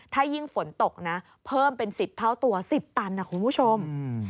ถ้ายิ่งฝนตกนะเพิ่มเป็น๑๐เท่าตัว๑๐ตันนะคุณผู้ชม